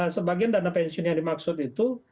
sebagian dana pensiun yang dimaksud itu